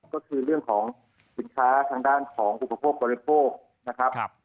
ก็คือเรื่องของสินค้าทางด้านของอุปโภคบริโภคนะครับ